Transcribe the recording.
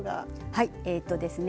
はいえっとですね